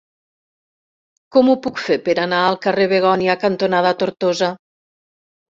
Com ho puc fer per anar al carrer Begònia cantonada Tortosa?